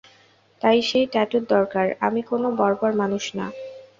তার সেই ট্যাটুর দরকার, আমি কোন বর্বর মানুষ না।